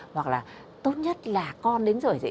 hoặc là tốt nhất là con đến rửa dậy